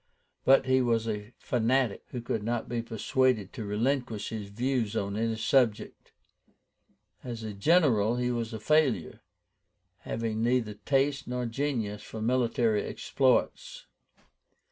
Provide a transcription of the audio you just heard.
But he was a fanatic, who could not be persuaded to relinquish his views on any subject. As a general, he was a failure, having neither taste nor genius for military exploits.